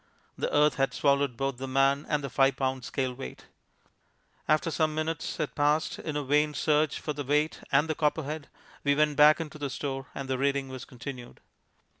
The earth had swallowed both the man and the five pound scale weight. After some minutes had passed in a vain search for the weight and the Copperhead, we went back into the store and the reading was continued.